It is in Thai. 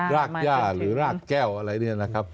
รากย่าหรือรากแก้วอะไรเนี่ยนะครับ